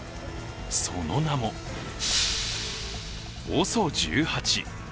その名もＯＳＯ１８。